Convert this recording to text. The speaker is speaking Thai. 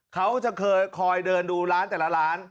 เขาจะเคยเดินดูร้านแต่ละร้าน